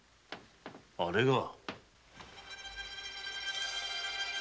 あれが？